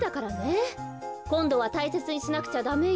こんどはたいせつにしなくちゃダメよ。